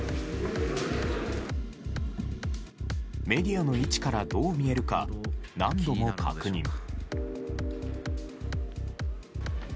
メディアの位置からどう見えるか、何度も確認。